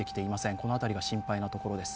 この辺りが心配なところです。